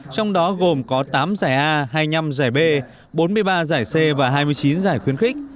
trong đó gồm có tám giải a hai mươi năm giải b bốn mươi ba giải c và hai mươi chín giải khuyến khích